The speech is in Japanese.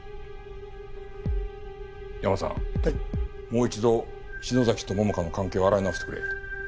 もう一度篠崎と桃花の関係を洗い直してくれ。